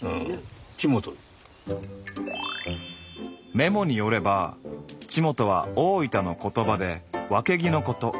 メモによれば「ちもと」は大分の言葉でわけぎのこと。